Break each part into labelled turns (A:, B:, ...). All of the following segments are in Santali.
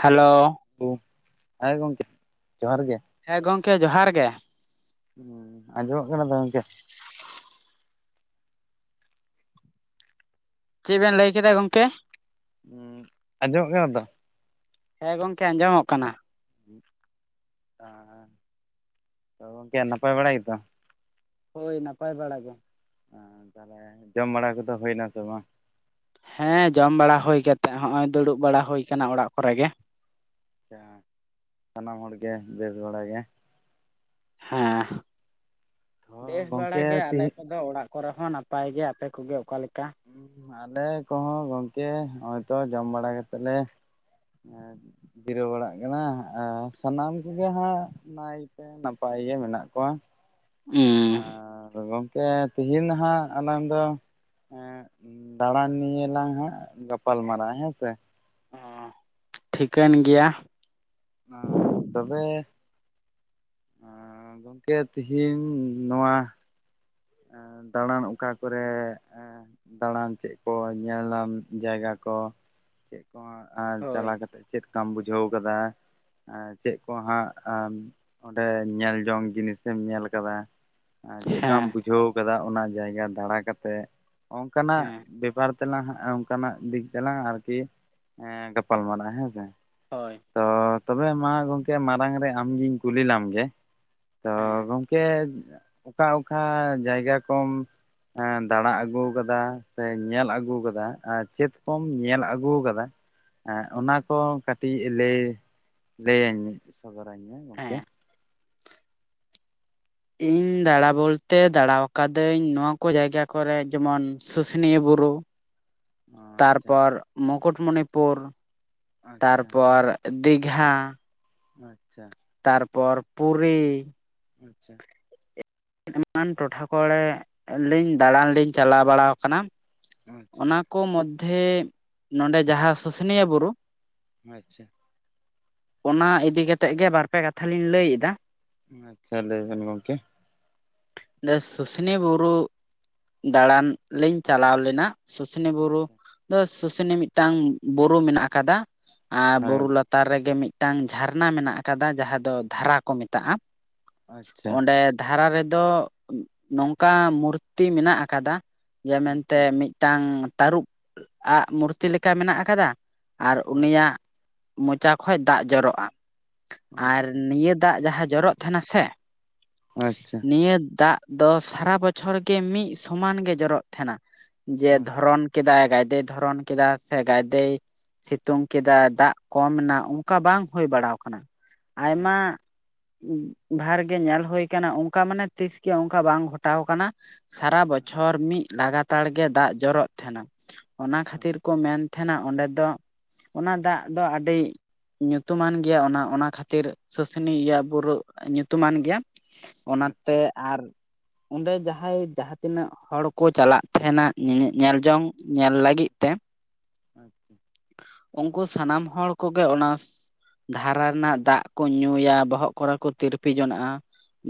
A: ᱦᱮᱞᱳ
B: ᱦᱮᱸ ᱜᱚᱝᱠᱮ ᱡᱚᱦᱟᱨ ᱜᱮ ᱾
A: ᱦᱮᱸ ᱜᱚᱝᱠᱮ ᱡᱚᱦᱟᱨ ᱜᱮ᱾
B: ᱟᱸᱡᱚᱢᱚᱜ ᱠᱟᱱᱟ ᱛᱚ ᱜᱚᱢᱠᱮ?
A: ᱪᱮᱫ ᱵᱮᱱ ᱞᱟᱹᱭ ᱠᱮᱫᱟ ᱜᱚᱝᱠᱮ?
B: ᱩᱸᱻ ᱟᱸᱡᱚᱢᱚᱜ ᱠᱟᱱᱟ ᱛᱚ?
A: ᱦᱮᱸ ᱜᱚᱝᱠᱮ ᱟᱸᱡᱚᱢᱚᱜ ᱠᱟᱱᱟ᱾
B: [unintelligible] ᱟᱫᱚ ᱜᱚᱢᱠᱮ ᱱᱟᱯᱟᱭ ᱵᱟᱲᱟ ᱜᱮᱛᱚ?
A: ᱦᱳᱭ ᱱᱟᱯᱟᱭ ᱵᱟᱲᱟ ᱜᱮ ᱾
B: ᱛᱟᱦᱚᱞᱮ ᱡᱚᱢ ᱵᱟᱲᱟ ᱠᱚᱫᱚ ᱦᱩᱭᱱᱟ ᱥᱮ ᱵᱟᱝ?
A: ᱦᱮᱸ ᱡᱚᱢ ᱵᱟᱲᱟ ᱦᱩᱭ ᱠᱟᱛᱮᱜ ᱦᱚᱸᱜᱼᱚᱭ ᱫᱩᱲᱩᱵ ᱵᱟᱲᱟ ᱦᱩᱭ ᱟᱠᱟᱱᱟ ᱚᱲᱟᱜ ᱠᱚᱨᱮ ᱜᱮ᱾
B: ᱟᱪᱪᱷᱟ ᱥᱟᱱᱟᱢ ᱦᱚᱲᱜᱮ ᱵᱮᱥ ᱵᱟᱲᱟ ᱜᱮ ᱾
A: ᱦᱮᱸ
B: ᱛᱚ
A: ᱵᱮᱥ ᱵᱟᱲᱟ
B: ᱜᱚᱝᱠᱮ
A: ᱜᱮ ᱟᱞᱮ ᱠᱚᱫᱚ ᱚᱲᱟᱜ ᱼᱼ ᱠᱚᱨᱮ ᱦᱚᱸ ᱱᱟᱯᱟᱭ ᱜᱮ ᱾ ᱟᱯᱮ ᱠᱚᱜᱮ ᱚᱠᱟᱞᱮᱠᱟ?
B: ᱟᱞᱮ ᱠᱚᱦᱚᱸ ᱜᱚᱝᱠᱮ ᱦᱚᱜᱼᱚᱭ ᱛᱚ ᱡᱚᱢ ᱵᱟᱲᱟ ᱠᱟᱛᱮᱜ ᱞᱮ ᱼᱼ ᱡᱤᱨᱟᱹᱣ ᱵᱟᱲᱟᱜ ᱠᱟᱱᱟ ᱟᱨ ᱥᱟᱱᱟᱢ ᱠᱚᱜᱮ ᱦᱟᱸᱜ ᱱᱟᱭᱛᱮ ᱼᱼ ᱱᱟᱯᱟᱭ ᱜᱮ ᱢᱮᱱᱟᱜ ᱠᱚᱣᱟ ᱾
A: ᱩᱸᱻ
B: ᱟᱨ ᱜᱚᱝᱠᱮ ᱛᱤᱦᱤᱧ ᱦᱟᱸᱜ ᱟᱞᱟᱝ ᱫᱚ ᱼᱼ ᱫᱟᱬᱟᱱ ᱱᱤᱭᱮ ᱞᱟᱝ ᱦᱟᱸᱜ ᱜᱟᱯᱟᱞ ᱢᱟᱨᱟᱜᱼᱟ ᱦᱮᱸ ᱥᱮ ᱾
A: ᱚᱻ ᱴᱷᱤᱠᱟᱹᱱ ᱜᱮᱭᱟ᱾
B: ᱟᱻ ᱛᱚᱵᱮ ᱼᱼ ᱟᱻ ᱜᱚᱢᱠᱮ ᱛᱤᱦᱤᱧ ᱱᱚᱣᱟᱼᱼ ᱮ ᱫᱟᱬᱟᱱ ᱚᱠᱟ ᱠᱚᱨᱮ ᱮ ᱫᱟᱬᱟᱱ ᱪᱮᱫ ᱠᱚ? ᱧᱮᱞᱟᱱ ᱡᱟᱭᱜᱟ ᱠᱚ ᱪᱮᱫ? ᱟᱨ
A: ᱦᱳᱭ
B: ᱪᱟᱞᱟᱣ ᱠᱟᱛᱮᱫ ᱪᱮᱫ ᱠᱟᱢ ᱵᱩᱡᱷᱟᱹᱣ ᱠᱟᱫᱟ? ᱟᱨ ᱪᱮᱫ ᱠᱚ ᱦᱟᱸᱜ ᱚᱸᱰᱮ ᱧᱮᱞ ᱡᱚᱝ ᱡᱤᱱᱤᱥᱮᱢ ᱧᱮᱞ ᱟᱠᱟᱫᱟ? ᱟᱨ ᱪᱮᱫ ᱠᱟᱢ
A: ᱦᱮᱸ
B: ᱵᱩᱡᱷᱟᱹᱣ ᱠᱟᱫᱟ ᱚᱱᱟ ᱡᱟᱭᱜᱟ ᱫᱟᱬᱟ ᱠᱟᱛᱮᱜ? ᱚᱱᱠᱟᱱᱟᱜ
A: ᱦᱮᱸ
B: ᱵᱮᱯᱟᱨ ᱛᱮᱞᱟᱝ ᱦᱟᱸᱜ ᱚᱱᱠᱟᱱᱟᱜ ᱫᱤᱠ ᱛᱮᱞᱟᱝ ᱟᱨᱠᱤ ᱼᱼ ᱜᱟᱯᱟᱞ ᱢᱟᱨᱟᱜᱼᱟ ᱦᱮᱸᱥᱮ᱾
A: ᱦᱳᱭ
B: ᱛᱚ ᱛᱚᱵᱮ ᱢᱟ ᱜᱚᱢᱠᱮ ᱢᱟᱨᱟᱝ ᱨᱮ ᱟᱢ ᱜᱤᱧ ᱠᱩᱞᱤ ᱞᱮᱢ ᱜᱮ ᱾ ᱛᱚ
A: ᱦᱮᱸ
B: ᱜᱚᱝᱠᱮ ᱚᱠᱟ ᱚᱠᱟ ᱡᱟᱭᱜᱟ ᱠᱚᱢ ᱼᱼ ᱫᱟᱬᱟ ᱟᱹᱜᱩᱣ ᱠᱟᱫᱟ ᱥᱮ ᱧᱮᱞ ᱟᱹᱜᱩᱣ ᱠᱟᱫᱟ ᱟᱨ ᱪᱮᱫ ᱠᱚᱢ ᱧᱮᱞ ᱟᱹᱜᱩᱣ ᱠᱟᱫᱟ? ᱦᱮᱸ ᱚᱱᱟ ᱠᱚ ᱠᱟᱹᱴᱤᱡ ᱞᱟᱹᱭ ᱞᱟᱹᱭᱟᱹᱧ ᱢᱮ᱾ ᱥᱚᱫᱚᱨᱟᱹᱧ ᱢᱮ ᱜᱚᱢᱠᱮ᱾
A: ᱦᱮᱸ ᱤᱧ ᱫᱟᱬᱟ ᱵᱚᱞᱛᱮ ᱫᱟᱬᱟ ᱟᱠᱟᱫᱟᱹᱧ ᱱᱚᱣᱟ ᱠᱚ ᱡᱟᱭᱜᱟ ᱠᱚᱨᱮ ᱡᱮᱢᱚᱱ ᱥᱩᱥᱩᱱᱤᱭᱟᱹ ᱵᱩᱨᱩ ᱾
B: [inaudible] ᱟᱪᱪᱷᱟ
A: ᱛᱟᱨᱯᱚᱨ ᱢᱩᱠᱩᱴᱢᱚᱱᱤᱯᱩᱨ,
B: ᱟᱪᱪᱷᱟ
A: ᱛᱟᱨᱯᱚᱨ ᱼᱼ ᱫᱤᱜᱷᱟ ᱾
B: ᱟᱪᱪᱷᱟ ᱾
A: ᱛᱟᱨᱯᱚᱨ ᱯᱩᱨᱤ ᱾
B: ᱟᱪᱪᱷᱟ ᱾
A: ᱮᱢᱟᱱ ᱴᱚᱴᱷᱟ ᱠᱚᱲᱮ ᱞᱤᱧ ᱫᱟᱬᱟᱱ ᱞᱤᱧ ᱪᱟᱞᱟᱣ ᱵᱟᱲᱟᱣ ᱟᱠᱟᱱᱟ ᱾
B: ᱟᱪᱪᱷᱟ
A: ᱚᱱᱟ ᱼᱼ ᱠᱚ ᱢᱚᱫᱽᱫᱷᱮ ᱱᱚᱰᱮ ᱡᱟᱦᱟᱸ ᱥᱩᱥᱩᱱᱤᱭᱟ ᱵᱩᱨᱩ ᱾
B: ᱟᱪᱪᱷᱟ ᱾
A: ᱚᱱᱟ ᱤᱫᱤ ᱠᱟᱛᱮᱜ ᱜᱮ ᱵᱟᱨ ᱯᱮ ᱠᱟᱛᱷᱟ ᱞᱤᱧ ᱞᱟᱹᱭ ᱮᱫᱟ ᱾
B: ᱟᱪᱪᱷᱟ ᱞᱟᱹᱭ ᱵᱮᱱ ᱜᱚᱢᱠᱮ ᱾
A: ᱱᱮᱥ ᱥᱩᱥᱱᱤ ᱵᱩᱨᱩ ᱫᱟᱬᱟᱱ ᱞᱤᱧ ᱪᱟᱞᱟᱣ ᱞᱮᱱᱟ ᱾ ᱥᱩᱥᱩᱱᱤ ᱵᱩᱨᱩ ᱫᱚ ᱥᱩᱥᱱᱤ ᱢᱤᱫᱴᱟᱝ ᱵᱩᱨᱩ ᱢᱮᱱᱟᱜ ᱟᱠᱟᱫᱟ ᱟᱨ
B: ᱦᱳᱭ
A: ᱵᱩᱨᱩ ᱞᱟᱛᱟᱨ ᱞᱟᱛᱟᱨ ᱨᱮᱜᱮ ᱢᱤᱫᱴᱟᱝ ᱡᱷᱟᱨᱱᱟ ᱢᱮᱱᱟᱜ ᱟᱠᱟᱫᱟ ᱡᱟᱦᱟᱸ ᱫᱚ ᱫᱷᱟᱨᱟ ᱠᱚ ᱢᱮᱛᱟᱜᱼᱟ ᱾
B: ᱟᱪᱪᱷᱟ
A: ᱚᱸᱰᱮ ᱫᱷᱟᱨᱟ ᱨᱮᱫᱚ ᱱᱚᱝᱠᱟ ᱢᱩᱨᱛᱤ ᱢᱮᱱᱟᱜ ᱟᱠᱟᱫᱟ ᱡᱮ ᱢᱮᱱᱛᱮ
B: ᱟᱪᱪᱷᱟ ᱟᱪᱪᱷᱟ
A: ᱢᱤᱫᱴᱟᱝ ᱛᱟᱹᱨᱩᱵ ᱟᱜ ᱢᱩᱨᱛᱤ ᱞᱮᱠᱟ ᱢᱮᱱᱟᱜ ᱟᱠᱟᱫᱟ, ᱟᱨ
B: ᱟᱪᱪᱷᱟ
A: ᱩᱱᱤᱭᱟᱜ ᱢᱚᱪᱟ ᱠᱷᱚᱱ ᱫᱟᱜ ᱡᱚᱨᱚᱜᱼᱟ ᱾ ᱟᱨ
B: ᱟᱪᱪᱷᱟ
A: ᱱᱤᱭᱟᱹ ᱫᱟᱜ ᱡᱟᱦᱟᱸ ᱡᱚᱨᱚᱜ ᱛᱟᱦᱮᱱᱟ ᱥᱮ
B: ᱟᱪᱪᱷᱟ ᱾
A: ᱱᱤᱭᱟᱹ ᱫᱟᱜ ᱫᱚ ᱥᱟᱨᱟ ᱵᱚᱪᱷᱚᱨ ᱜᱮ ᱢᱤᱫ ᱥᱚᱢᱟᱱ ᱜᱮ ᱡᱚᱨᱚᱜ ᱛᱟᱦᱮᱱᱟ ᱡᱮ
B: ᱟᱪᱪᱷᱟ
A: ᱫᱷᱚᱨᱚᱱ ᱠᱮᱫᱟᱭ ᱜᱟᱭᱫᱮᱭ ᱫᱷᱚᱨᱚᱱ ᱠᱮᱫᱟ ᱥᱮ ᱜᱟᱫᱮᱭ ᱥᱤᱛᱩᱝ ᱠᱮᱫᱟ ᱫᱟᱜ ᱠᱚᱢ ᱮᱱᱟ ᱚᱱᱠᱟ ᱵᱟᱝ ᱦᱩᱭ ᱵᱟᱲᱟ ᱟᱠᱟᱱᱟ ᱾ ᱟᱭᱢᱟ ᱵᱷᱟᱨ ᱜᱮ ᱧᱮᱞ ᱦᱩᱭ ᱠᱟᱱᱟ ᱚᱱᱠᱟ ᱢᱟᱱᱮ ᱛᱤᱥ ᱜᱮ ᱚᱱᱠᱟ ᱵᱟᱝ ᱜᱷᱚᱴᱟᱣ ᱟᱠᱟᱱᱟ ᱥᱟᱨᱟ ᱵᱚᱪᱷᱚᱨ ᱢᱤᱫ ᱞᱟᱜᱟᱛᱟᱨ ᱜᱮ ᱫᱟᱜ ᱡᱚᱨᱚᱜ ᱛᱟᱦᱮᱱᱟ ᱚᱱᱟ ᱠᱷᱟᱹᱛᱤᱨ ᱠᱚ ᱢᱮᱱ ᱛᱟᱦᱮᱱᱟ ᱚᱸᱰᱮ ᱫᱚ ᱚᱱᱟ ᱫᱟᱜ ᱫᱚ ᱟᱹᱰᱤ ᱧᱩᱛᱩᱢᱟᱱ ᱜᱮᱭᱟ ᱚᱱᱟ ᱚᱱᱟ ᱠᱷᱟᱹᱛᱤᱨ ᱥᱩᱥᱩᱱᱤ ᱤᱭᱟᱹ ᱵᱩᱨᱩ ᱧᱩᱛᱩᱢᱟᱱ ᱜᱮᱭᱟ ᱾ ᱚᱱᱟᱛᱮ
B: ᱟᱪᱪᱷᱟ
A: ᱟᱨ ᱚᱸᱰᱮ ᱡᱟᱦᱟᱸᱭ ᱡᱟᱦᱟᱸ ᱛᱤᱱᱟᱹᱜ‌ ᱦᱚᱲ ᱠᱚ ᱪᱟᱞᱟᱜ ᱛᱟᱦᱮᱱᱟ ᱧᱮ ᱧᱮᱞ ᱡᱚᱝ ᱧᱮᱞ ᱞᱟᱹᱜᱤᱫ ᱛᱮ
B: ᱟᱪᱪᱷᱟ ᱾
A: ᱩᱱᱠᱩ ᱥᱟᱱᱟᱢ ᱦᱚᱲ ᱠᱚᱜᱮ ᱚᱱᱟ ᱫᱷᱟᱨᱟ ᱨᱮᱱᱟᱜ ᱫᱟᱜ ᱠᱩ ᱧᱩᱭᱟ ᱵᱚᱦᱚᱜ ᱠᱚᱨᱮ ᱠᱚ ᱛᱤᱨᱯᱤ ᱡᱚᱱᱟᱜ-ᱟ ᱾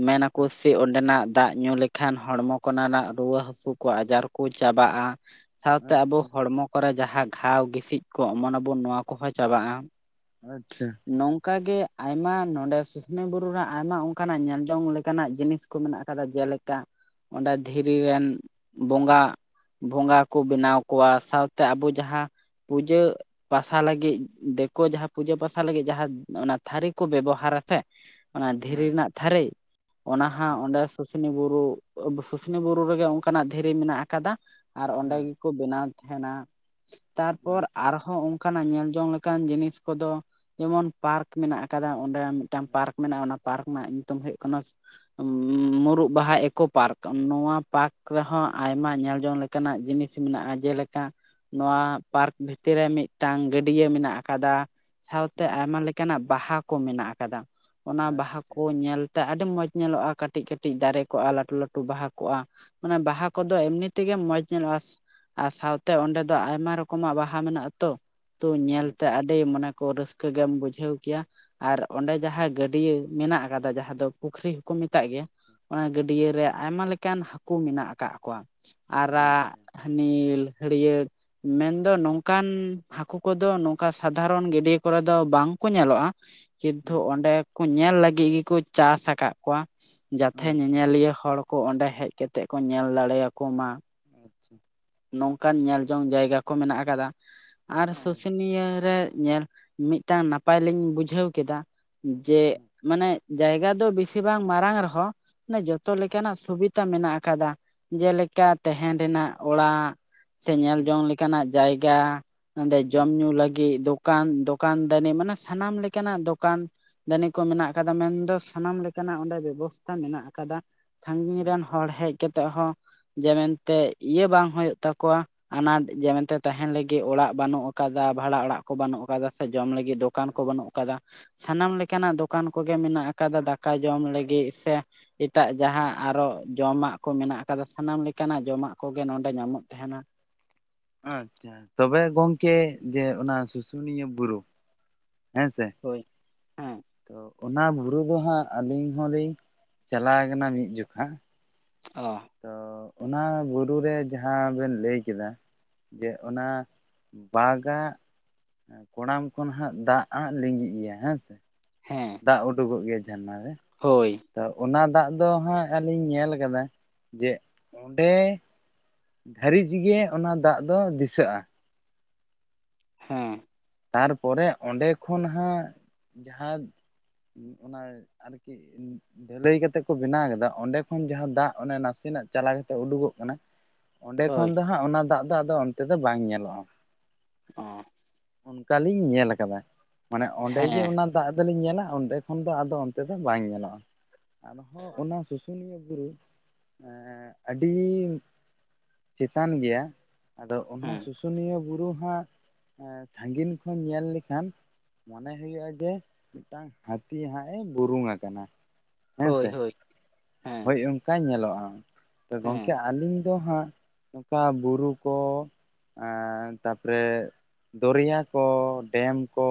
A: ᱢᱮᱱᱟᱠᱚ ᱥᱮ-ᱪᱮᱜ
B: ᱟᱪᱪᱷᱟ
A: ᱚᱸᱰᱮᱱᱟᱜ ᱫᱟᱜ ᱧᱩ ᱞᱮᱠᱷᱟᱱ ᱦᱚᱲᱢᱚ ᱠᱚᱨᱮᱱᱟᱜ ᱨᱩᱣᱟᱹ ᱦᱟᱹᱥᱩ ᱠᱚ ᱟᱡᱟᱨ ᱠᱚ ᱪᱟᱵᱟᱜ-ᱟ ᱾ ᱥᱟᱶᱛᱮ ᱟᱵᱚ
B: ᱟᱪᱪᱷᱟ
A: ᱦᱚᱲᱢᱚ ᱠᱚᱨᱮ ᱡᱟᱦᱟᱸ ᱜᱷᱟᱣ ᱜᱸᱤᱥᱤᱡ ᱠᱚ ᱚᱢᱚ ᱟᱵᱚᱱ ᱱᱚᱣᱟ ᱠᱚᱦᱚᱸ ᱪᱟᱵᱟᱜ-ᱟ ᱾
B: ᱟᱪᱪᱷᱟ ᱾
A: ᱱᱚᱝᱠᱟ ᱜᱮ ᱟᱭᱢᱟ ᱱᱚᱰᱮ ᱥᱩᱥᱱᱮ ᱵᱩᱨᱩ ᱨᱮᱱᱟᱜ ᱟᱭᱢᱟ ᱚᱱᱠᱟᱱᱟᱜ ᱧᱮᱞ ᱡᱚᱝ ᱞᱮᱠᱟᱱᱟᱜ ᱡᱤᱱᱤᱥ ᱠᱚ ᱢᱮᱱᱟᱜ ᱟᱠᱟᱫᱟ ᱡᱮᱞᱮᱠᱟ ᱚᱸᱰᱮ ᱫᱷᱤᱨᱤ ᱨᱮᱱ ᱵᱚᱸᱜᱟ ᱵᱚᱸᱜᱟ ᱠᱚ ᱵᱮᱱᱟᱣ ᱠᱚᱣᱟ ᱥᱟᱶᱛᱮ ᱟᱵᱚ ᱡᱟᱦᱟᱸ ᱯᱩᱡᱟᱹ ᱯᱟᱥᱟ ᱞᱟᱹᱜᱤᱫ ᱫᱤᱠᱩ ᱡᱟᱦᱟᱸ ᱯᱩᱡᱟᱹ ᱯᱟᱥᱟ ᱞᱟᱹᱜᱤᱫ ᱡᱟᱦᱟᱸ ᱚᱱᱟ ᱛᱷᱟᱹᱨᱤ ᱠᱚ ᱵᱮᱵᱚᱦᱟᱨ ᱟᱥᱮ ᱚᱱᱟ
B: ᱦᱮᱸ
A: ᱫᱷᱤᱨᱤ
B: ᱟᱪᱪᱷᱟ
A: ᱨᱮᱱᱟᱜ ᱛᱷᱟᱹᱨᱤ ᱚᱱᱟ ᱦᱟᱸᱜ
B: ᱟᱪᱪᱷᱟ
A: ᱚᱸᱰᱮ ᱥᱩᱥᱱᱤ ᱵᱩᱨᱩ ᱥᱩᱥᱱᱤ ᱵᱩᱨᱩ ᱨᱮᱜᱮ ᱚᱱᱠᱟᱱᱟᱜ ᱫᱷᱤᱨᱤ ᱢᱮᱱᱟᱜ ᱟᱠᱟᱫᱟ ᱟᱨ ᱚᱸᱰᱮ ᱜᱮ ᱠᱚ ᱵᱮᱱᱟᱣ ᱫᱮ ᱛᱟᱦᱮᱱᱟ
B: ᱟᱪᱪᱷᱟ
A: ᱛᱟᱨᱯᱚᱨ
B: ᱟᱪᱪᱷᱟ
A: ᱟᱨᱦᱚᱸ ᱚᱱᱠᱟᱱᱟᱜ ᱧᱮᱞ ᱡᱚᱝ ᱞᱮᱠᱟᱱ ᱡᱤᱱᱤᱥ ᱠᱚᱫᱚ ᱡᱮᱢᱚᱱ ᱯᱟᱨᱠ ᱾ ᱢᱮᱱᱟᱜ ᱟᱠᱟᱫᱟ ᱚᱸᱰᱮ ᱢᱤᱫᱴᱟᱝ
B: ᱟᱪᱪᱷᱟ
A: ᱯᱟᱨᱠ ᱢᱮᱱᱟᱜᱼᱟ ᱚᱱᱟ ᱯᱟᱨᱠ ᱨᱮᱱᱟᱜ ᱧᱩᱛᱩᱢ ᱦᱩᱭᱩᱜ ᱠᱟᱱᱟ ᱢᱩᱨᱩᱫ ᱵᱟᱦᱟ ᱮᱠᱳ ᱯᱟᱨᱠ ᱱᱚᱶᱟ ᱯᱟᱨᱠ ᱨᱮᱦᱚᱸ ᱟᱭᱢᱟ ᱧᱮᱞᱡᱚᱝ ᱞᱮᱠᱟ ᱚᱱᱠᱟᱱᱟᱜ ᱡᱤᱱᱤᱥ ᱢᱮᱱᱟᱜᱼᱟ ᱡᱮᱞᱮᱠᱟ ᱱᱚᱣᱟ ᱯᱟᱨᱠ ᱵᱷᱤᱛᱤᱨ ᱨᱮ ᱢᱤᱫᱴᱟᱝ ᱜᱟᱹᱰᱤᱭᱟᱹ ᱢᱮᱱᱟᱜ ᱟᱠᱟᱫᱟ ᱾ ᱥᱟᱶᱛᱮ
B: ᱟᱪᱪᱷᱟ
A: ᱟᱭᱢᱟ ᱞᱮᱠᱟᱱᱟᱜ ᱵᱟᱦᱟ ᱠᱚ ᱢᱮᱱᱟᱜ ᱟᱠᱟᱫᱟ, ᱚᱱᱟ ᱵᱟᱦᱟ
B: ᱟᱪᱪᱷᱟ
A: ᱠᱚ ᱧᱮᱞ ᱛᱟᱸ ᱟᱹᱰᱤ ᱢᱚᱸᱡᱽ ᱧᱮᱞᱚᱜᱼᱟ ᱠᱟᱹᱴᱤᱡ ᱠᱟᱹᱴᱤᱡ ᱫᱟᱨᱮ ᱠᱚᱜᱼᱟ, ᱞᱟᱹᱴᱩ ᱞᱟᱹᱴᱩ ᱵᱟᱦᱟ ᱠᱚᱜᱼᱟ ᱢᱟᱱᱮ ᱵᱟᱦᱟ ᱠᱚᱫᱚ
B: ᱟᱪᱪᱷᱟ
A: ᱮᱢᱱᱤ ᱛᱮᱜᱮ ᱢᱚᱸᱡᱽ ᱧᱮᱞᱚᱜᱼᱟ, ᱟᱨ ᱥᱟᱶᱛᱮ ᱚᱸᱰᱮ ᱫᱚ ᱟᱭᱢᱟ ᱨᱚᱠᱚᱢᱟᱜ ᱵᱟᱦᱟ ᱢᱮᱱᱟᱜ ᱟᱛᱚ᱾ ᱛᱚ, ᱧᱮᱞᱛᱮ ᱟᱹᱰᱤ ᱢᱟᱱᱮ ᱠᱚ ᱨᱟᱹᱥᱠᱟᱹ ᱜᱮᱢ ᱵᱩᱡᱷᱟᱹᱣ ᱠᱮᱭᱟ ᱟᱨ ᱚᱸᱰᱮ ᱡᱟᱦᱟᱸ ᱜᱟᱹᱰᱭᱟᱹ ᱢᱮᱱᱟᱜ ᱟᱠᱟᱫᱟ ᱡᱟᱦᱟᱸ ᱫᱚ ᱟᱫᱚ ᱯᱩᱠᱷᱨᱤ ᱦᱚᱠᱩ ᱢᱮᱛᱟᱜ ᱜᱮᱭᱟ, ᱚᱱᱟ ᱜᱟᱹᱰᱭ ᱨᱮ ᱟᱭᱢᱟ ᱞᱮᱠᱟᱱ ᱦᱟᱠᱩ ᱢᱮᱱᱟᱜ ᱟᱠᱟᱫ ᱠᱚᱣᱟ ᱟᱨᱟᱜ, ᱱᱤᱞ, ᱦᱟᱹᱨᱭᱟᱹᱲ ᱢᱮᱱᱫᱚ ᱱᱚᱝᱠᱟᱱ ᱦᱟᱹᱠᱩ ᱠᱚᱫᱚ ᱱᱚᱝᱠᱟ ᱥᱟᱫᱷᱟᱨᱚᱱ ᱜᱟᱹᱰᱭᱟᱹ ᱠᱚᱨᱮ ᱫᱚ ᱵᱟᱝ ᱠᱚ ᱧᱮᱞᱚᱜᱼᱟ᱾ ᱠᱤᱱᱛᱩ
B: ᱟᱪᱪᱷᱟ
A: ᱚᱸᱰᱮ ᱠᱩ ᱧᱮᱞ ᱞᱟᱹᱜᱤᱫ ᱜᱮᱠᱚ ᱪᱟᱥ ᱟᱠᱟᱫ ᱠᱚᱣᱟ ᱡᱟᱛᱮ
B: ᱟᱪᱪᱷᱟ
A: ᱧᱮᱧᱮᱞᱤᱭᱟᱹ ᱦᱚᱲ ᱟᱠᱚ, ᱚᱸᱰᱮ ᱦᱮᱡ ᱠᱟᱛᱮᱫ ᱠᱚ ᱧᱮᱞ ᱫᱟᱲᱮᱭᱟᱠᱚ ᱢᱟ ᱾
B: ᱟᱪᱪᱷᱟ᱾
A: ᱱᱚᱝᱠᱟᱱ ᱧᱮᱞ ᱡᱚᱝ ᱡᱟᱭᱜᱟ ᱠᱚ ᱢᱮᱱᱟᱜ ᱟᱠᱟᱫᱟ ᱟᱨ ᱥᱩᱥᱩᱱᱤᱭᱟᱹ ᱨᱮ ᱧᱮᱞ, ᱢᱤᱫᱴᱟᱝ ᱱᱟᱯᱟᱭ ᱞᱤᱧ ᱵᱩᱡᱷᱟᱹᱣ ᱠᱮᱫᱟ ᱡᱮ ᱢᱟᱱᱮ ᱡᱟᱭᱜᱟ ᱫᱚ ᱵᱤᱥᱤ ᱵᱟᱝ ᱢᱟᱨᱟᱝ ᱨᱮᱦᱚᱸ ᱢᱟᱱᱮ ᱡᱚᱛᱚ ᱞᱮᱠᱟᱱᱟᱜ ᱥᱩᱵᱤ ᱛᱟ ᱢᱮᱱᱟᱜ ᱟᱠᱟᱫᱟ᱾ ᱡᱮᱞᱮᱠᱟ ᱛᱮᱦᱮᱱ ᱨᱮᱱᱟᱜ ᱚᱲᱟᱜ, ᱥᱮ ᱧᱮᱞ ᱡᱚᱝ ᱞᱮ ᱠᱟᱱᱟᱜ ᱡᱟᱭᱜᱟ, ᱱᱚᱸᱰᱮ ᱡᱚᱢ-ᱧᱩ ᱞᱟᱹᱜᱤᱜ ᱫᱚ ᱠᱟᱱ, ᱫᱚᱠᱟᱱ-ᱫᱟᱹᱱᱤ ᱢᱟᱱᱮ ᱥᱟᱱᱟᱢ ᱞᱮᱠᱟᱱᱟᱜ ᱫᱚᱠᱟᱱ ᱫᱟᱹᱱᱤ ᱠᱚ ᱢᱮᱱᱟᱜ ᱟᱠᱟᱫᱟ᱾ ᱢᱮᱱᱫᱚ ᱥᱟᱱᱟᱢ ᱞᱮᱠᱟᱱᱟᱜ ᱚᱸᱰᱮ ᱵᱮᱵᱚᱥᱛᱷᱟ ᱢᱮᱱᱟᱜ ᱟᱠᱟᱫᱟ᱾ ᱥᱟᱺᱜᱤᱧ ᱨᱮᱱ ᱦᱚᱲ ᱦᱮᱡ ᱠᱟᱛᱮ ᱦᱚᱸ ᱡᱮ ᱢᱮᱱᱛᱮ, ᱤᱭᱟᱹ ᱵᱟᱝ ᱦᱩᱭᱩᱜ ᱛᱟᱠᱚᱣᱟ᱾ ᱟᱱᱟᱴ, ᱡᱮ ᱢᱮᱱᱛᱮ ᱛᱟᱦᱮᱱ ᱞᱟᱹᱜᱤᱫ ᱚᱲᱟᱜ ᱵᱟᱹᱱᱩᱜ ᱟᱠᱟᱫᱟ, ᱵᱷᱟᱲᱟ ᱚᱲᱟᱜ ᱠᱚ ᱵᱟᱹᱱᱩᱜ ᱟᱠᱟᱫᱟ, ᱥᱮ ᱡᱚᱢ ᱞᱟᱹᱜᱤᱫ ᱫᱚᱠᱟᱱ ᱠᱚ ᱵᱟᱹᱱᱩᱜ ᱟᱠᱟᱫᱟ᱾ ᱥᱟᱱᱟᱢ ᱞᱮ ᱠᱟᱱᱟᱜ ᱫᱚᱠᱟᱱ ᱠᱚᱜᱮ ᱢᱮᱱᱟᱜ ᱟᱠᱟᱫᱟ, ᱫᱟᱠᱟ ᱡᱚᱢ ᱞᱟᱹᱜᱤᱫ ᱥᱮ ᱮᱴᱟᱜ ᱡᱟᱦᱟᱸ ᱟᱨᱚ ᱡᱚᱢᱟᱜ ᱠᱚ ᱢᱮᱱᱟᱜ ᱟᱠᱟᱫᱟ ᱥᱟᱱᱟᱢ ᱞᱮᱠᱟᱱᱟᱜ ᱡᱚᱢᱟᱜ ᱠᱚᱜᱮ ᱱᱚᱰᱮ ᱧᱟᱢᱚᱜ ᱛᱟᱦᱮᱸᱱᱟ᱾
B: ᱟᱪᱪᱷᱟ, ᱛᱚᱵᱮ ᱜᱚᱝᱠᱮ ᱡᱮ ᱚᱱᱟ ᱥᱩᱥᱩᱱᱤᱭᱟᱹ ᱵᱩᱨᱩ ᱦᱮᱸ ᱥᱮ,
A: ᱦᱳᱭ, ᱦᱮᱸ᱾
B: ᱛᱚ, ᱚᱱᱟ ᱵᱩᱨᱩ ᱫᱚ ᱦᱟᱸᱜ ᱟᱹᱞᱤᱧ ᱦᱚᱞᱤᱧ ᱪᱟᱞᱟ ᱠᱟᱱᱟ ᱢᱤᱫ ᱡᱚᱠᱷᱟ᱾
A: ᱚ᱾
B: ᱛᱚ, ᱚᱱᱟ ᱵᱩᱨᱩ ᱨᱮ ᱡᱟᱦᱟᱸ ᱵᱮᱱ ᱞᱟᱹᱭ ᱠᱮᱫᱟ, ᱡᱮ ᱚᱱᱟ ᱵᱟᱜᱟᱜ ᱠᱚᱲᱟᱢ ᱠᱷᱚᱱ ᱦᱟᱸᱜ ᱫᱟᱜ ᱦᱟᱸᱜ ᱞᱤᱸᱜᱤᱜ ᱜᱮᱭᱟ, ᱦᱮᱸ ᱥᱮ,
A: ᱦᱮᱸ᱾
B: ᱫᱟᱜ ᱩᱰᱩᱜᱚᱜ ᱜᱮᱭᱟ ᱡᱷᱟᱨᱱᱟ ᱨᱮ᱾
A: ᱦᱳᱭ᱾
B: ᱛᱚ, ᱚᱱᱟ ᱫᱟᱜ ᱫᱚ ᱦᱟᱸᱜ ᱟᱹᱞᱤᱧ ᱧᱮᱞ ᱟᱠᱟᱫᱟ, ᱡᱮ, ᱚᱸᱰᱮ ᱫᱷᱟᱹᱨᱤᱡᱷ ᱜᱮ ᱚᱱᱟ ᱫᱟᱜ ᱫᱚ ᱫᱤᱥᱟᱹᱜᱼᱟ᱾
A: ᱦᱮᱸ᱾
B: ᱛᱟᱨᱯᱚᱨᱮ, ᱚᱸᱰᱮ ᱠᱷᱚᱱ ᱦᱟᱸᱜ ᱡᱟᱦᱟᱸ ᱚᱱᱟ ᱟᱨᱠᱤ ᱰᱷᱟᱹᱞᱟᱹᱭ ᱠᱟᱛᱮᱫ ᱠᱚ ᱵᱮᱱᱟᱣ ᱟᱠᱟᱫᱟ, ᱚᱸᱰᱮ ᱠᱷᱚᱱ ᱡᱟᱦᱟᱸ ᱫᱟᱜ ᱚᱱᱮ ᱱᱟᱥᱮᱱᱟ ᱪᱟᱞᱟ ᱠᱟᱛᱮᱫ ᱳᱰᱚᱜᱚᱜ ᱠᱟᱱᱟ᱾ ᱚᱸᱰᱮ
A: ᱦᱳᱭ
B: ᱠᱷᱚᱱ ᱫᱚ ᱦᱟᱸᱜ ᱚᱱᱟ ᱫᱟᱜ ᱫᱚ ᱟᱫᱚ ᱚᱱᱛᱮ ᱫᱚ ᱵᱟᱝ ᱧᱮᱞᱚᱜᱼᱟ᱾
A: ᱚᱸ᱾
B: ᱚᱱᱠᱟ ᱞᱤᱧ ᱧᱮᱞ ᱟᱠᱟᱫᱟ, ᱢᱟᱱᱮ ᱚᱸᱰᱮ ᱜᱮ
A: ᱦᱮᱸ
B: ᱚᱱᱟ ᱫᱟᱜ ᱫᱚᱞᱤᱧ ᱧᱮᱞᱟ, ᱚᱸᱰᱮ ᱠᱷᱚᱱ ᱫᱚ ᱟᱫᱚ ᱚᱱᱛᱮ ᱫᱚ ᱵᱟᱝ ᱧᱮᱞᱚᱜᱼᱟ᱾ ᱟᱨᱦᱚᱸ ᱚᱱᱟ ᱥᱩᱥᱩᱱᱤᱭᱟᱹ ᱵᱩᱨᱩ ᱮᱸᱻ ᱟᱹᱰᱤ ᱪᱮᱛᱟᱱ ᱜᱮᱭᱟ᱾ ᱟᱫᱚ ᱚᱱᱟ
A: ᱦᱮᱸ
B: ᱥᱩᱥᱩᱱᱤᱭᱟᱹ ᱵᱩᱨᱩ ᱦᱟᱸᱜ, ᱥᱟᱺᱜᱤᱱ ᱠᱷᱚᱱ ᱧᱮᱞ ᱞᱮᱠᱷᱟᱱ ᱢᱚᱱᱮ ᱦᱩᱭᱩᱜᱼᱟ ᱡᱮ ᱢᱤᱫᱴᱟᱝ ᱦᱟᱹᱛᱤ ᱦᱟᱸᱜ ᱮ ᱵᱩᱨᱩᱝ ᱟᱠᱟᱱᱟ᱾ ᱦᱮᱸ
A: ᱦᱳᱭ
B: ᱥᱮ
A: ᱦᱳᱭ᱾ ᱦᱮᱸ
B: ᱦᱳᱭ ᱚᱱᱠᱟ ᱧᱮᱞᱚᱜᱼᱟ, ᱛᱚ
A: ᱦᱮᱸ
B: ᱜᱚᱝᱠᱮ ᱟᱞᱤᱧ ᱫᱚ ᱦᱟᱸᱜᱼᱼ ᱱᱚᱝᱠᱟ ᱵᱩᱨᱩ ᱠᱚ ᱮ ᱛᱟᱯᱨᱮ, ᱫᱚᱨᱭᱟ ᱠᱚ, ᱰᱮᱢ ᱠᱚ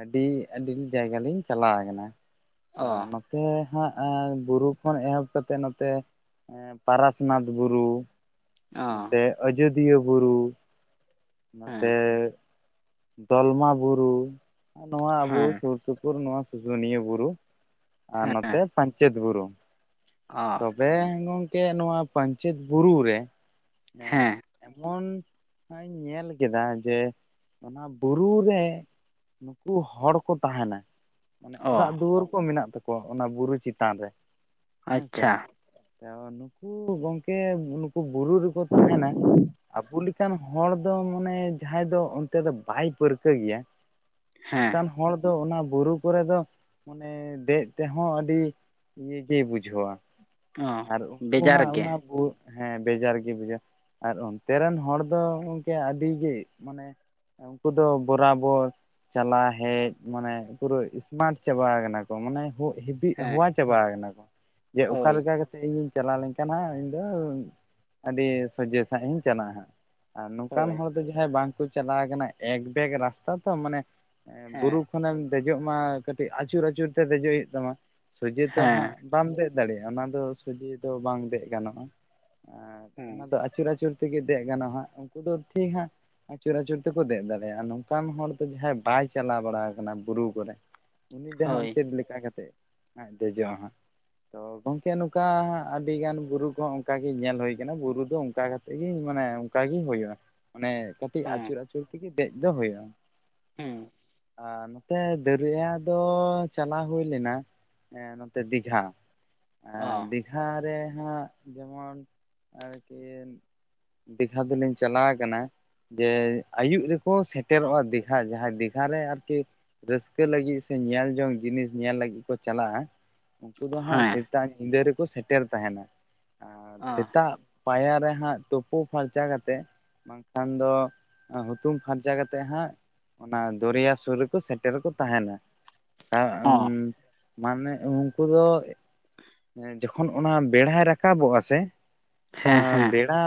B: ᱟᱹᱰᱤ ᱟᱹᱰᱤ ᱡᱟᱭᱜᱟ ᱞᱤᱧ ᱪᱟᱞᱟ ᱠᱟᱱᱟ ᱛᱚ,
A: ᱚ
B: ᱱᱚ ᱛᱮ ᱦᱟᱸᱜ ᱵᱩᱨᱩ ᱠᱷᱚᱱ ᱮᱦᱚᱵ ᱠᱟᱛᱮ ᱱᱚᱛᱮᱼᱼ ᱮᱸ ᱯᱟᱨᱟᱥᱱᱟᱛᱷ ᱵᱩᱨᱩ,
A: ᱚ
B: ᱱᱚᱛᱮ ᱟᱹᱡᱟᱹᱫᱤᱭᱟᱹ ᱵᱩᱨᱩ ᱱᱚᱛᱮᱼᱼ
A: ᱦᱮᱸ
B: ᱫᱚᱞᱢᱟ ᱵᱩᱨᱩ, ᱱᱚᱣᱟ ᱟᱵᱚ
A: ᱦᱮᱸ
B: ᱥᱩᱨ ᱥᱩᱯᱩᱨ ᱱᱚᱣᱟ ᱥᱩᱥᱩᱱᱤᱭᱟᱹ ᱵᱩᱨᱩ, ᱟᱨ ᱱᱚᱛᱮ ᱯᱟᱧᱪᱮᱛ ᱵᱩᱨᱩ᱾
A: ᱚ
B: ᱛᱚ ᱵᱮ ᱜᱚᱝᱠᱮ ᱱᱚᱣᱟ ᱯᱟᱧᱪᱮᱛ ᱵᱩᱨᱩ ᱨᱮ ᱮᱸ
A: ᱦᱮᱸ
B: ᱮᱢᱚᱱ ᱦᱟᱸᱜ ᱤᱧ ᱧᱮᱞ ᱠᱮᱫᱟ ᱡᱮᱼᱼ ᱚᱱᱟ ᱵᱩᱨᱩ ᱨᱮ, ᱱᱩᱠᱩ ᱦᱚᱲ ᱠᱚ ᱛᱟᱦᱮᱱᱟ᱾ ᱢᱟᱱᱮ
A: ᱚ
B: ᱚᱲᱟᱜ ᱫᱩᱣᱟᱹᱨ ᱠᱚ ᱢᱮᱱᱟᱜ ᱛᱟᱠᱚᱣᱟ ᱚᱱᱟ ᱵᱩᱨᱩ ᱪᱮᱛᱟᱱ ᱨᱮ, ᱦᱮᱸ ᱥᱮ
A: ᱟᱪᱪᱷᱟ
B: ᱛᱮᱣᱟ ᱱᱩᱠᱩ ᱜᱚᱝᱠᱮ ᱱᱩᱠᱩ ᱵᱩᱨᱩ ᱨᱮᱠᱚ ᱛᱟᱦᱮᱱᱟ ᱟᱵᱩ ᱞᱮᱠᱟᱱ ᱦᱚᱲ ᱫᱚ ᱢᱟᱱᱮ ᱡᱟᱦᱟᱸᱭ ᱫᱚ ᱚᱱᱛᱮ ᱫᱚ ᱵᱟᱭ ᱯᱟᱹᱨᱠᱟᱹ ᱜᱮᱭᱟ
A: ᱦᱮᱸ
B: ᱚᱝᱠᱟᱱ ᱦᱚᱲ ᱫᱚ ᱚᱱᱟ ᱵᱩᱨᱩ ᱠᱚᱨᱮ ᱫᱚ ᱢᱟᱱᱮ ᱫᱮᱜ ᱛᱮᱦᱚᱸ ᱟᱹᱰᱤ ᱤᱭᱟᱹ ᱜᱮ ᱵᱩᱡᱷᱟᱹᱣᱟ᱾
A: ᱚ
B: ᱟᱨ ᱩᱝᱠᱩ
A: ᱵᱮᱡᱟᱨ
B: ᱦᱟᱸᱜ
A: ᱜᱮ
B: ᱚᱱᱟ ᱵᱩ ᱦᱮᱸ ᱵᱮᱡᱟᱨ ᱜᱮ ᱵᱩᱡᱟᱹ ᱟᱨ ᱚᱱᱛᱮ ᱨᱮᱱ ᱦᱚᱲ ᱫᱚ ᱜᱚᱝᱠᱮ ᱟᱹᱰᱤ ᱜᱮ ᱢᱟᱱᱮ ᱮ ᱩᱝᱠᱩ ᱫᱚ ᱵᱚᱨᱟᱵᱚᱨ ᱪᱟᱞᱟᱣ ᱦᱮᱡ ᱢᱟᱱᱮ ᱯᱩᱨᱟᱹ ᱥᱢᱟᱴ ᱪᱟᱵᱟᱣ ᱠᱟᱱᱟ ᱠᱚ ᱢᱟᱱᱮ ᱯᱤᱜ
A: ᱦᱮᱸ
B: ᱦᱚᱣᱟ ᱪᱟᱵᱟ ᱠᱟᱱᱟ ᱠᱚ ᱡᱮ ᱚᱠᱟ
A: ᱦᱳᱭ
B: ᱞᱮᱠᱟ ᱠᱟᱛ ᱛᱮ ᱤᱧᱤᱧ ᱪᱟᱞᱟᱣ ᱞᱮᱱᱠᱷᱟᱱ ᱦᱟᱸᱜ ᱤᱧᱫᱚ ᱟᱹᱰᱤ ᱥᱚᱡᱷᱮ ᱥᱟᱦᱤᱡ ᱤᱧ ᱪᱟᱞᱟᱜᱼᱟ ᱦᱟᱸᱜ᱾ ᱟᱨ ᱱᱚᱝᱠᱟᱱ
A: ᱦᱳᱭ
B: ᱦᱚᱲ ᱫᱚ ᱡᱟᱦᱟᱸᱭ ᱵᱟᱝᱠᱚ ᱪᱟᱞᱟᱣ ᱠᱟᱱᱟ ᱮᱠᱵᱮᱠ ᱨᱟᱥᱛᱟ ᱛᱚ ᱢᱟᱱᱮ ᱵᱩᱨᱩ
A: ᱦᱮᱸ
B: ᱛᱚᱠᱷᱚᱱᱮᱢ ᱫᱮᱡᱚᱜ ᱢᱟ ᱠᱟᱹᱴᱤᱡ ᱟᱹᱪᱩᱨ ᱟᱹᱪᱩᱨ ᱛᱮ ᱫᱮᱡᱚᱜ ᱦᱩᱭᱩᱜ ᱛᱟᱢᱟ ᱥᱚᱡᱷᱮ ᱛᱚ ᱦᱟᱸᱜ
A: ᱦᱮᱸ
B: ᱵᱟᱢ ᱫᱮᱡ ᱫᱟᱲᱮᱭᱟᱜᱼᱟ, ᱚᱱᱟ ᱫᱚ ᱥᱚᱡᱷᱤ ᱫᱚ ᱵᱟᱝ ᱫᱮᱡ ᱜᱟᱱᱚᱜᱼᱟ, ᱟᱨ
A: ᱦᱩᱸ
B: ᱚᱱᱟ ᱫᱚ ᱟᱪᱩᱨ ᱟᱪᱩᱨ ᱛᱮᱜᱮ ᱫᱮᱡ ᱜᱟᱱᱚᱜ ᱦᱟᱸᱜ ᱩᱝᱠᱩ ᱫᱚ ᱴᱷᱤᱠ ᱦᱟᱸᱜ ᱟᱪᱩᱨ ᱟᱪᱩᱨ ᱛᱮᱠᱚ ᱫᱮᱜ ᱫᱟᱲᱮᱭᱟᱜᱼᱟ ᱱᱚᱝᱠᱟᱱ ᱦᱚᱲ ᱫᱚ ᱡᱟᱦᱟᱸᱭ ᱵᱟᱭ ᱪᱟᱞᱟᱣ ᱵᱟᱲᱟ ᱠᱟᱱᱟ ᱵᱩᱨᱩ ᱠᱚᱨᱮ ᱩᱱᱤ ᱫᱚ ᱦᱟᱸᱜ
A: ᱦᱳᱭ
B: ᱪᱮᱫ ᱞᱮᱠᱟ ᱠᱟᱛᱮᱫ ᱫᱮᱡᱚᱜᱼᱟ ᱦᱟᱸᱜ᱾ ᱛᱚ ᱜᱚᱢᱠᱮ ᱱᱚᱝᱠᱟ ᱟᱹᱰᱤ ᱜᱟᱱ ᱵᱩᱨᱩ ᱠᱚᱦᱚᱸ ᱚᱱᱠᱟ ᱜᱮ ᱧᱮᱞ ᱦᱳᱭ ᱠᱟᱱᱟ ᱵᱩᱨᱩ ᱫᱚ ᱚᱝᱠᱟ ᱠᱟ ᱛᱮᱜᱮ ᱢᱟᱱᱮ ᱚᱝᱠᱟᱟᱜ ᱜᱮ ᱦᱭᱳᱜᱼᱟ᱾ ᱢᱟᱱᱮ ᱠᱟᱹᱴᱤᱡ
A: ᱦᱩᱸ
B: ᱟᱹᱪᱩᱨ ᱟᱹᱪᱩᱨ ᱛᱮᱜᱮ ᱫᱮᱡ ᱫᱚ ᱦᱳᱭᱳᱜᱼᱟ᱾
A: ᱦᱮᱸ
B: ᱟᱨ ᱱᱚᱛᱮ ᱫᱟᱹᱨᱭᱟ ᱫᱚ ᱪᱟᱞᱟᱣ ᱦᱩᱭ ᱞᱮᱱᱟ ᱮᱸ ᱱᱚᱛᱮ ᱫᱤᱜᱷᱟ
A: ᱚ
B: ᱫᱤᱜ ᱜᱷᱟ ᱨᱮ ᱦᱟᱸᱜ ᱡᱮᱢᱚᱱ ᱟᱨᱠᱤ ᱫᱤᱜᱷᱟ ᱫᱚᱞᱤᱧ ᱪᱟᱞᱟᱣ ᱠᱟᱱᱟ ᱡᱮ ᱟᱹᱭᱩᱵ ᱨᱮᱠᱚ ᱥᱮᱴᱮᱨᱚᱜᱼᱟ ᱫᱤᱜᱷᱟ ᱡᱟᱦᱟᱸᱭ ᱫᱤᱜᱷᱟ ᱨᱮ ᱟᱨᱠᱤ ᱨᱟᱹᱥᱠᱟᱹ ᱞᱟᱜᱤᱫ ᱥᱮ ᱧᱮᱞ ᱡᱚᱝ ᱡᱤᱱᱤᱥ ᱧᱮᱞ ᱞᱟᱜᱤᱫ ᱠᱚ ᱪᱟᱞᱟᱜᱼᱟ᱾ ᱩᱝᱠᱩ ᱫᱚ ᱦᱟᱸᱜ
A: ᱦᱮᱸ
B: ᱥᱮᱛᱟᱜ ᱧᱤᱫᱟᱹ ᱨᱮᱠᱚ ᱥᱮᱴᱮᱨ ᱛᱟᱦᱮᱱᱟ ᱟᱨ
A: ᱚ
B: ᱥᱮᱛᱟᱜ ᱯᱟᱭᱟᱨ ᱨᱮ ᱦᱟᱸᱜ ᱛᱳᱯᱳ ᱯᱷᱟᱨᱪᱟ ᱠᱟᱛᱮᱜ ᱵᱟᱝᱠᱷᱟᱱ ᱫᱚ ᱦᱩᱛᱩᱢ ᱯᱷᱟᱨᱪᱟ ᱠᱟᱛᱮᱜ ᱦᱟᱸᱜ ᱚᱱᱟ ᱫᱚᱨᱭᱟ ᱥᱩᱨ ᱨᱮᱠᱚ ᱥᱮᱴᱮᱨ ᱠᱚ ᱛᱟᱦᱮᱱᱟ᱾ ᱟ‌ᱩᱢ
A: ᱚ
B: ᱢᱟᱱᱮ ᱩᱝᱠᱩ ᱫᱚ ᱮ ᱡᱚᱠᱷᱚᱱ ᱚᱱᱟ ᱵᱮᱲᱦᱟᱭ ᱨᱟᱠᱟᱵᱚᱜᱼᱟ ᱥᱮ
A: ᱦᱮᱸ
B: ᱚᱱᱟ
A: ᱦᱮᱸ
B: ᱵᱮᱲᱟ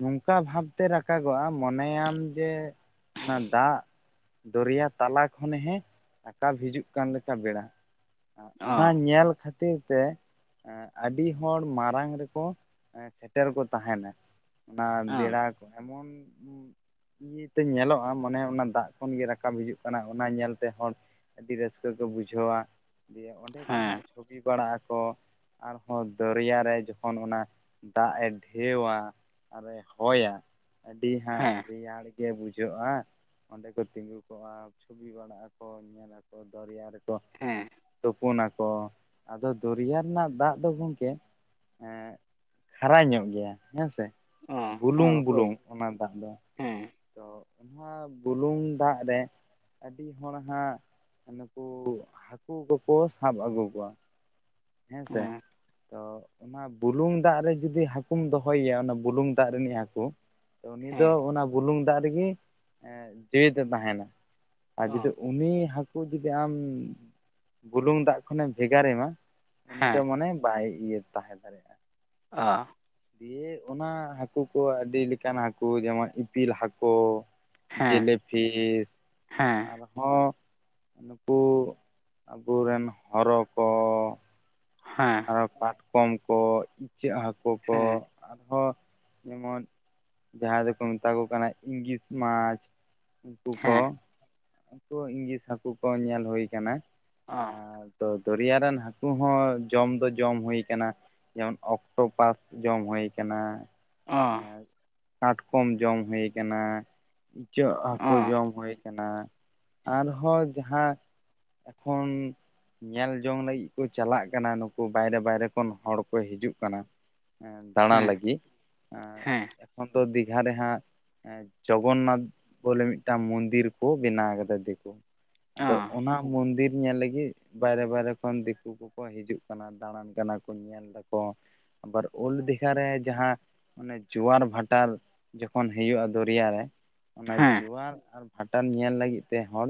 B: ᱱᱚᱝᱠᱟ ᱵᱷᱟᱵᱛᱮ ᱨᱟᱠ ᱠᱟᱜᱚᱜᱼᱟ, ᱢᱚᱱᱮᱭᱟᱢ ᱡᱮ ᱚᱱᱟ ᱫᱟᱜ ᱫᱚᱨᱭᱟ ᱛᱟᱞᱟ ᱠᱷᱚᱱ ᱦᱮᱸ ᱨᱟᱠᱟᱵ ᱦᱤᱡᱩᱜ ᱠᱟᱱ ᱞᱮᱠᱟ ᱵᱮᱲᱟ᱾ ᱚᱱᱟ
A: ᱚ
B: ᱧᱮᱞ ᱠᱷᱟᱛᱤᱨ ᱛᱮ ᱟᱹᱰᱤ ᱦᱚᱲ ᱢᱟᱨᱟᱝ ᱨᱮᱠᱚ ᱥᱮᱴᱮᱨ ᱠᱚ ᱛᱟᱦᱮᱱᱟ᱾ ᱚᱱᱟ
A: ᱚ
B: ᱵᱮᱲᱟ ᱠᱚ ᱮᱢᱚᱱ ᱤᱭᱟᱹᱛᱮ ᱧᱮᱞᱚᱜᱼᱟ ᱢᱟᱱᱮ ᱚᱱᱟ ᱫᱟᱜ ᱠᱷᱚᱱ ᱜᱮ ᱨᱟᱠᱟᱵ ᱦᱤᱡᱩᱜ ᱠᱟᱱᱟ ᱚᱱᱟ ᱧᱮᱞᱛᱮ ᱦᱚᱲ ᱟᱹᱰᱤ ᱨᱟᱹᱥᱠᱟᱹ ᱠᱚ ᱵᱩᱡᱷᱟᱹᱣᱟ, ᱫᱤᱭᱮ ᱚᱸᱰᱮ ᱠᱚ
A: ᱦᱮᱸ
B: ᱦᱟᱸᱜ ᱪᱷᱚᱵᱤ ᱵᱟᱲᱟᱜ ᱟᱠᱚ᱾ ᱟᱨᱦᱚᱸ ᱫᱚᱨᱭᱟ ᱨᱮ ᱡᱚᱠᱷᱚᱱ ᱚᱱᱟ ᱫᱟᱜ ᱮ ᱰᱷᱮᱣᱟ᱾ ᱟᱨᱮ ᱦᱚᱭᱟ ᱟᱹᱰᱤ ᱦᱟᱸᱜ
A: ᱦᱮᱸ
B: ᱨᱮᱭᱟᱲ ᱜᱮ ᱵᱩᱡᱷᱟᱹᱜᱼᱟ, ᱚᱸᱰᱮ ᱠᱚ ᱛᱤᱸᱜᱩ ᱠᱚᱜᱼᱟ, ᱪᱷᱩᱚᱵᱤ ᱵᱟᱲᱟᱜ ᱟᱠᱚ ᱧᱮᱞ ᱟᱠᱚ ᱫᱚᱨᱭᱟ ᱨᱮᱠᱚ
A: ᱦᱮᱸ
B: ᱛᱩᱯᱩᱱᱟᱠᱚ, ᱟᱫᱚ ᱫᱚᱨᱭᱟ ᱨᱮᱱᱟᱜ ᱫᱟᱜ ᱫᱚ ᱜᱚᱝᱠᱮ ᱮᱸ ᱠᱷᱟᱨᱟ ᱧᱚᱜ ᱜᱮᱭᱟ ᱦᱮᱸᱥᱮ
A: ᱚ
B: ᱵᱩᱞᱩᱝ
A: ᱦᱚ ᱦᱳᱭ
B: ᱵᱩᱞᱩᱝ ᱚᱱᱟ ᱫᱟᱜ ᱫᱚ᱾
A: ᱦᱮᱸ
B: ᱟᱫᱚ ᱚᱱᱟ ᱵᱩᱞᱩᱝ ᱫᱟᱜ ᱨᱮ ᱟᱹᱰᱤ ᱦᱚᱲ ᱦᱟᱸᱜ ᱱᱩᱠᱩ ᱦᱟᱹᱠᱩ ᱠᱚᱠᱚ ᱥᱟᱵ ᱟᱹᱜᱩ ᱠᱚᱣᱟ ᱦᱮᱸ ᱥᱮ᱾
A: ᱚ
B: ᱛᱚ ᱚᱱᱟ ᱵᱩᱞᱩᱝ ᱫᱟᱜ ᱨᱮ ᱡᱩᱫᱤ ᱦᱟᱹᱠᱩᱢ ᱫᱚᱦᱚᱭᱭᱟ ᱚᱱᱟ ᱵᱩᱞᱩᱝ ᱫᱟᱜ ᱨᱤᱱᱤᱜ ᱦᱟᱹᱠᱩ ᱩᱱᱤ ᱫᱚ
A: ᱦᱮᱸ
B: ᱚᱱᱟ ᱵᱩᱞᱩᱝ ᱫᱟᱜ ᱨᱮᱜᱮ ᱡᱤᱣᱤᱫ ᱮ ᱛᱟᱦᱮᱱᱟ ᱟᱨ ᱡᱩᱫᱤ
A: ᱚ
B: ᱩᱱᱤ ᱦᱟᱹᱠᱩ ᱡᱩᱫᱤ ᱟᱢ ᱵᱩᱞᱩᱝ ᱫᱟᱜ ᱠᱷᱚᱱᱮᱢ ᱵᱷᱮᱜᱟᱨᱮᱢᱟ᱾ ᱩᱱᱤ ᱫᱚ
A: ᱦᱮᱸ
B: ᱢᱟᱱᱮ ᱵᱟᱭ ᱤᱭᱟᱹ ᱛᱟᱦᱮᱸ ᱫᱟᱲᱮᱜᱼᱟ᱾
A: ᱟ
B: ᱫᱤᱭᱮ ᱚᱱᱟ ᱦᱟᱹᱠᱩ ᱠᱚ ᱟᱹᱰᱤ ᱞᱮᱠᱟᱱ ᱦᱟᱹᱠᱳ ᱡᱮᱢᱚᱱ ᱤᱯᱤᱞ ᱦᱟᱹᱠᱳ,
A: ᱦᱮᱸ ᱦᱮᱸ
B: ᱡᱮᱞᱮᱯᱤᱥ
A: ᱦᱮᱸ
B: ᱟᱨ ᱦᱚᱸ ᱱᱩᱠᱩ ᱟᱵᱚᱨᱮᱱ ᱦᱚᱨᱚ ᱠᱚ
A: ᱦᱮᱸ,
B: ᱟᱨ ᱦᱚᱸ ᱠᱟᱴᱠᱚᱢ ᱠᱚ ᱤᱪᱟᱹᱜ ᱦᱟᱹᱠᱳ ᱠᱚ
A: ᱦᱮᱸ
B: ᱟᱨᱦᱚᱸ ᱡᱮᱢᱚᱱ ᱡᱟᱦᱟᱸᱭ ᱫᱚᱠᱚ ᱢᱮᱛᱟ ᱠᱚ ᱠᱟᱱᱟ ᱤᱝᱜᱤᱥ ᱢᱟᱪᱷ ᱦᱟᱹᱠᱩ ᱠᱚ
A: ᱦᱮᱸ
B: ᱩᱱᱠᱩ ᱤᱝᱜᱤᱥ ᱦᱟᱹᱠᱳ ᱠᱚ ᱧᱮᱞ ᱦᱳᱭ ᱠᱟᱱᱟ᱾
A: ᱚ
B: ᱟᱨ ᱛᱚ ᱫᱚᱨᱭᱟ ᱨᱮᱱ ᱦᱟᱹᱠᱩ ᱦᱚᱸ ᱡᱚᱢ ᱫᱚ ᱡᱚᱢ ᱦᱳᱭ ᱠᱟᱱᱟ ᱡᱮᱢᱚᱱ ᱚᱠᱴᱳ ᱯᱟᱥ ᱡᱚᱢ ᱦᱳᱭ ᱠᱟᱱᱟ᱾
A: ᱚ
B: ᱦᱮᱸ ᱠᱟᱴᱠᱚᱢ ᱡᱚᱢ ᱦᱳᱭ ᱠᱟᱱᱟ᱾ ᱤᱪᱟᱹᱜ ᱦᱟᱹᱠᱳ
A: ᱚ
B: ᱡᱚᱢ ᱦᱳᱭ ᱠᱟᱱᱟ ᱟᱨᱦᱚᱸ ᱡᱟᱦᱟᱸ ᱮᱠᱷᱚᱱ ᱧᱮᱞ ᱡᱚᱝ ᱞᱟᱹᱜᱤᱫ ᱠᱚ ᱪᱟᱞᱟᱜ ᱠᱟᱱᱟ᱾ ᱱᱩᱠᱩ ᱵᱟᱭᱨᱮ ᱵᱟᱭᱨᱮ ᱠᱷᱚᱱ ᱦᱚᱲ ᱠᱚ ᱦᱤᱡᱩᱜ ᱠᱟᱱᱟ᱾ ᱫᱟᱬᱟ
A: ᱦᱮᱸ
B: ᱞᱟᱹᱜᱤᱫ ᱟᱨ
A: ᱦᱮᱸ
B: ᱮᱠᱷᱚᱱ ᱫᱚ ᱫᱤᱜᱷᱟ ᱨᱮ ᱦᱟᱸᱜ ᱮᱸ ᱡᱚᱜᱚᱱᱱᱟᱛᱷ ᱵᱚᱞᱮ ᱢᱤᱫᱴᱟᱝ ᱢᱚᱱᱫᱤᱨ ᱠᱚ ᱵᱮᱱᱟᱣ ᱠᱟᱫᱟ ᱫᱮᱠᱳ,
A: ᱚ
B: ᱟᱫᱚ ᱚᱱᱟ ᱢᱚᱱᱫᱤᱨ ᱧᱮᱞ ᱞᱟᱹᱜᱤᱫ ᱵᱟᱭᱨᱮ ᱵᱟᱭᱨᱮ ᱠᱷᱚᱱ ᱫᱤᱠᱩ ᱠᱚ ᱠᱚ ᱦᱤᱡᱩᱜ ᱠᱟᱱᱟ ᱫᱟᱬᱟᱱ ᱠᱟᱱᱟ ᱠᱚ ᱧᱮᱞ ᱫᱟᱠᱚ ᱟᱵᱟᱨ ᱳᱞᱰ ᱫᱤᱜᱷᱟ ᱨᱮ ᱡᱟᱦᱟᱸ ᱚᱱᱮ ᱡᱳᱣᱟᱨ ᱵᱷᱟᱴᱟᱨ ᱡᱚᱠᱷᱚᱱ ᱦᱮᱭᱟᱹᱜᱼᱟ ᱫᱚᱨᱭᱟ ᱨᱮ, ᱚᱱᱟ
A: ᱦᱮᱸ
B: ᱡᱳᱣᱟᱨ ᱟᱨ ᱵᱷᱟᱴᱟᱱ ᱧᱮᱞ ᱞᱟᱹᱜᱤᱫ ᱛᱮ ᱦᱚᱲ